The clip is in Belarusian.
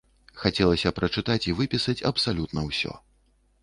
Хацелася прачытаць і выпісаць абсалютна ўсё.